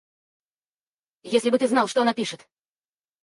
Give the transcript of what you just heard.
Если бы ты знал, что она пишет!